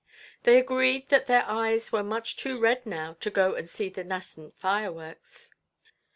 They agreed that their eyes were much too red now to go and see the nascent fireworks.